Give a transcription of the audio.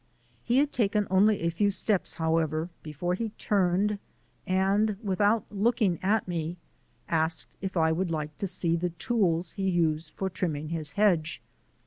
He had taken only a few steps, however, before he turned, and, without looking at me, asked if I would like to see the tools he used for trimming his hedge.